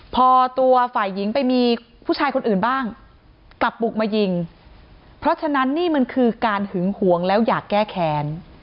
พอตัวฝ่ายหญิงไปมีผู้ชายคนอื่นบ้างกลับบุกมายิงเพราะฉะนั้นนี่มันคือการหึงหวงแล้วอยากแก้แค้น